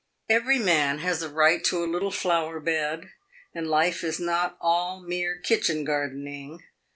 Every man has a right to a little flower bed, and life is not all mere kitchen gardening.